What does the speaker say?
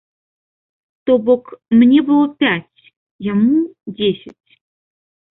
То бок мне было пяць, яму дзесяць.